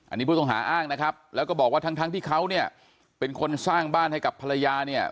อันนี้ผู้ต้องหาอ้างนะครับแล้วก็บอกว่าทั้งทั้งที่เขาเนี่ยเป็นคนสร้างบ้านให้กับภรรยาเนี่ย